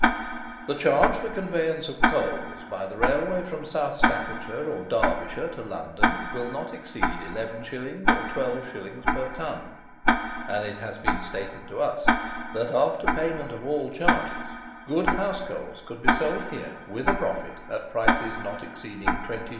The charge of conveyance of coals by Railway from South Staffordshire or Derbyshire to London will not exceed 11_s._ or 12_s._ per ton, and it has been stated to us, that, after payment of all charges, good house coals could be sold here, with a profit, at prices not exceeding 20_s.